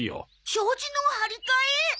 障子の張り替え？